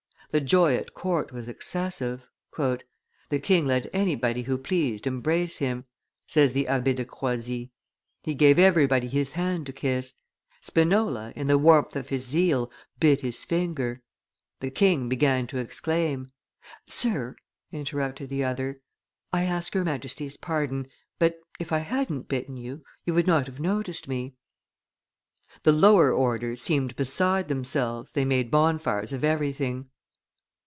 The joy at court was excessive. "The king let anybody who pleased embrace him," says the Abbe de Croisy; "he gave everybody his hand to kiss. Spinola, in the warmth of his zeal, bit his finger; the king began to exclaim. 'Sir,' interrupted the other, 'I ask your Majesty's pardon; but, if I hadn't bitten you, you would not have noticed me.' The lower orders seemed beside themselves, they made bonfires of everything.